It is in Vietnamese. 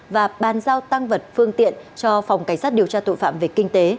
và bàn giao tăng vật phương tiện cho phòng cảnh sát điều tra tội phạm về kinh tế